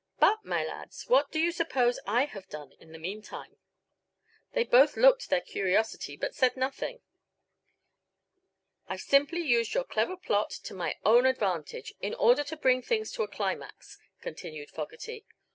But, my lads, what do you suppose I have done in the meantime?" They both looked their curiosity but said nothing. "I've simply used your clever plot to my own advantage, in order to bring things to a climax," continued Fogerty.